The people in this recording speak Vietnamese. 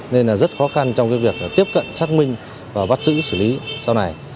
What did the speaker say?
nên là rất khó khăn trong việc tiếp cận xác minh và bắt giữ xử lý sau này